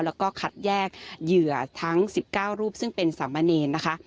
แล้วก็คัดแยกเหยื่อทั้ง๑๙รูปซึ่งเป็นสามเณรนะคะ